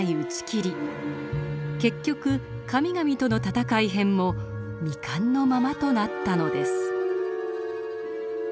結局「神々との闘い編」も未完のままとなったのです。